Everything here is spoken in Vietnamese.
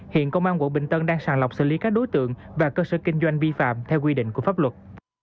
hiện công an quận bình tân đang sàng lọc xử lý các đối tượng và cơ sở kinh doanh vi phạm theo quy định của pháp luật